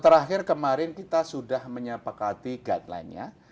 terakhir kemarin kita sudah menyepakati guideline nya